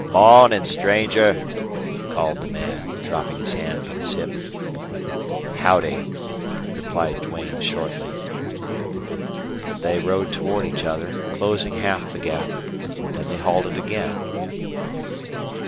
"Mawnin', stranger," called the man, dropping his hand from his hip. "Howdy," replied Duane, shortly. They rode toward each other, closing half the gap, then they halted again.